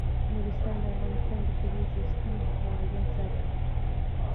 نورستان د افغانستان د طبعي سیسټم توازن ساتي.